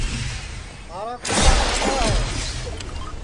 مھارا کُوتا مادؔا ہے